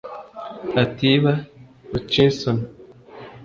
Atiba Hutchinson